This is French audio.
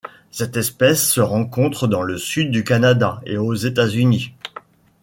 Cette espèce se rencontre dans le sud du Canada et aux États-Unis.